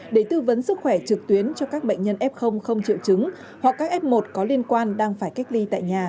để tư vấn sức khỏe trực tuyến cho các bệnh nhân f không triệu chứng hoặc các f một có liên quan đang phải cách ly tại nhà